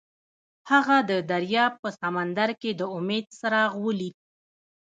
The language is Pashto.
هغه د دریاب په سمندر کې د امید څراغ ولید.